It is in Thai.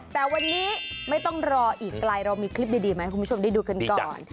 แต่วันนี้ไม่ต้องรออีกไกลเรามีคลิปดีมาให้คุณผู้ชมได้ดูกันก่อน